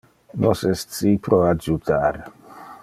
Nos es ci pro adjutar.